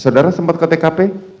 saudara sempat ke tkp